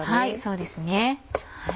そうですね。